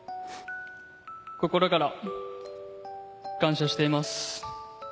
心から感謝しています。